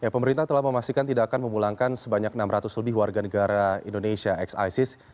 pemerintah telah memastikan tidak akan memulangkan sebanyak enam ratus lebih warga negara indonesia ex isis